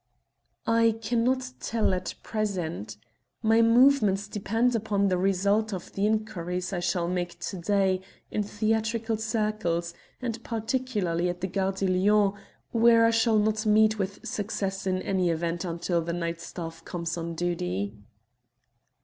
"I cannot tell at present. My movements depend upon the results of the inquiries I shall make to day in theatrical circles, and particularly at the Gare de Lyon, where I shall not meet with success in any event until the night staff comes on duty.